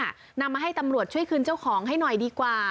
นำมาให้ตำรวจช่วยคืนเจ้าของให้หน่อยดีกว่า